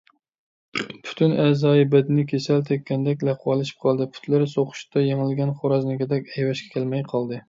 پۈتۈن ئەزايى - بەدىنى كېسەل تەگكەندەك لەقۋالىشىپ قالدى، پۇتلىرى سوقۇشتا يېڭىلگەن خورازنىڭكىدەك ئەيۋەشكە كەلمەي قالدى.